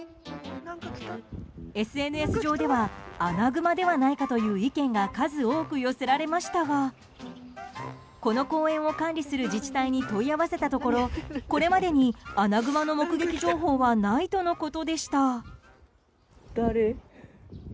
ＳＮＳ上ではアナグマではないかという意見が数多く寄せられましたがこの公園を管理する自治体に問い合わせたところこれまでにアナグマの目撃情報はないとのことでした。